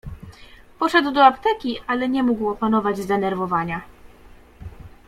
"Poszedł do apteki, ale nie mógł opanować zdenerwowania."